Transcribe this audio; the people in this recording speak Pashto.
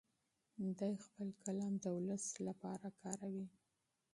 دی خپل قلم د ولس لپاره کاروي.